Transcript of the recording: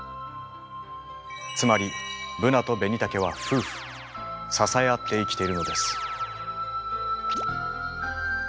つまりブナとベニタケは夫婦支え合って生きているのです。